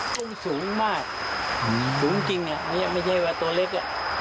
ตรงสูงมากทุกคนที่รู้จึงอยู่เท่านั้นไม่ได้ว่าตัวเล็กอ่ะ